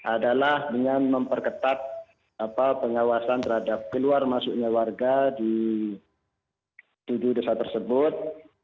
adalah dengan memperketat pengawasan terhadap keluar masuknya warga di tujuh desa tersebut